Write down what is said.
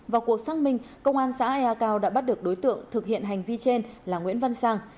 vào cuộc xác minh công an xã ea cao đã bắt được đối tượng thực hiện hành vi trên là nguyễn văn sang